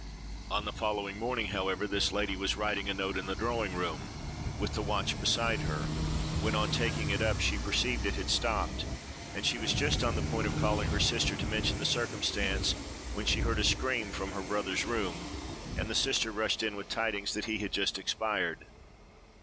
On the following morning, however, this lady was writing a note in the drawing room, with the watch beside her, when, on taking it up, she perceived it had stopped; and she was just on the point of calling her sister to mention the circumstance, when she heard a scream from her brother's room, and the sister rushed in with the tidings that he had just expired.